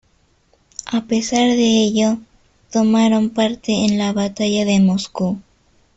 A pesar de ello, tomaron parte en la Batalla de Moscú.